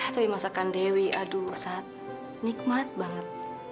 tapi masakan dewi aduh nikmat banget